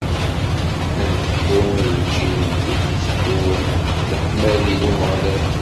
Ad neḥku i lǧil i d-itteddun, leḥmadi n Umeɣlal.